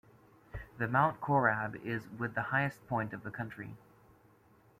The Mount Korab is with the highest point of the country.